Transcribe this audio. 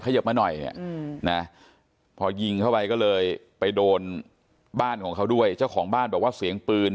เยิบมาหน่อยเนี่ยนะพอยิงเข้าไปก็เลยไปโดนบ้านของเขาด้วยเจ้าของบ้านบอกว่าเสียงปืน